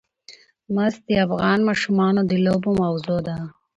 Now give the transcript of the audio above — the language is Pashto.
مس د افغان ماشومانو د لوبو موضوع ده.